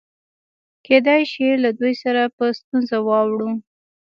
کېدای شي له دوی سره په ستونزه واوړو.